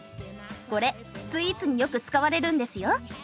これスイーツによく使われるんですよ。